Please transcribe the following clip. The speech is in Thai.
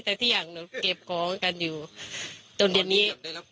แต่ที่อย่างเก็บของกันอยู่ตรงเดียวนี้